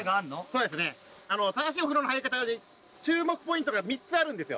そうですね正しいお風呂の入り方で注目ポイントが３つあるんですよ